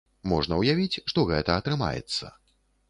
Можна ўявіць, што гэта атрымаецца.